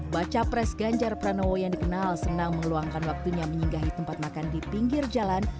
baca pres ganjar pranowo yang dikenal senang meluangkan waktunya menyinggahi tempat makan di pinggir jalan